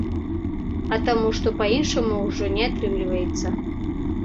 А таму, што па-іншаму ўжо не атрымліваецца.